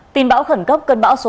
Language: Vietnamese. tin bão khẩn cấp cân bão số hai